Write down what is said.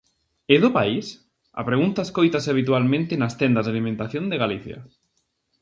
"É do país?" A pregunta escóitase habitualmente nas tendas de alimentación de Galicia.